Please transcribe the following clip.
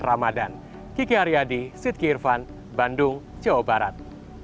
ramadan kiki aryadi sidki irfan bandung jawa barat